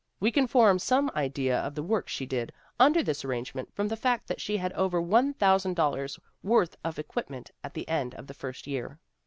We can form some idea of the work she did under this arrangement from the fact that she had over $1,000 worth of equipment at the end of the first year.